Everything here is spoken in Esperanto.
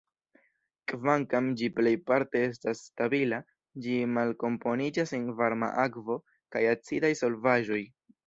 Kvankam ĝi plejparte estas stabila, ĝi malkomponiĝas en varma akvo kaj acidaj solvaĵoj.